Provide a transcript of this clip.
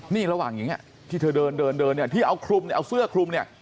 นี่ระหว่างอย่างนี้ที่เธอเดินที่เอาคลุมเอาเสื้อคลุมเนี่ย